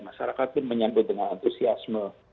masyarakat pun menyambut dengan antusiasme